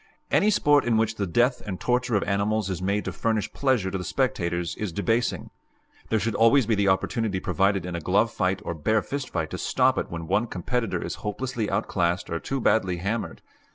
Any sport in which the death and torture of animals is made to furnish pleasure to the spectators is debasing. There should always be the opportunity provided in a glove fight or bare fist fight to stop it when one competitor is hopelessly outclassed or too badly hammered.